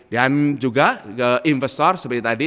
dan juga investor seperti tadi